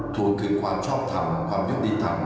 ทูลคืนความชอบธรรมความยุคฤทธรรม